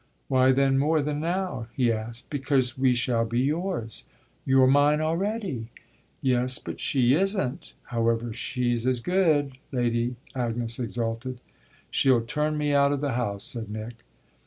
"Why then more than now?" he asked. "Because we shall be yours." "You're mine already." "Yes, but she isn't. However, she's as good!" Lady Agnes exulted. "She'll turn me out of the house," said Nick.